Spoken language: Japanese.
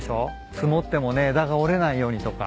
積もってもね枝が折れないようにとか。